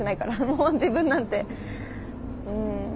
もう自分なんて。